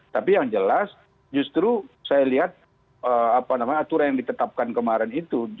tapi yang jelas justru saya lihat aturan yang ditetapkan kemarin itu